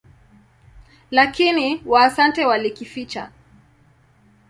Lakini Waasante walikificha.